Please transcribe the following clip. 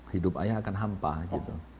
hidup ayah akan hampah gitu